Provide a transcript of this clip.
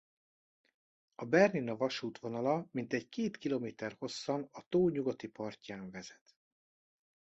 A Bernina-vasút vonala mintegy két kilométer hosszan a tó nyugati partján vezet.